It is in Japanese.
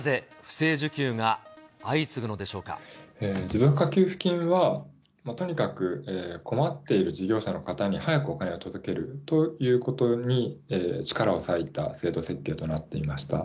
なぜ、持続化給付金は、とにかく困っている事業者の方に早くお金を届けるということに力を割いた制度設計となっていました。